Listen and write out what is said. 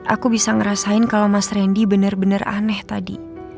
aku bisa ngerasain kalo mas randy bener bener aneh tadi